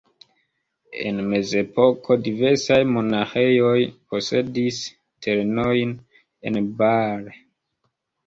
En mezepoko diversaj monaĥejoj posedis terenojn en Baar.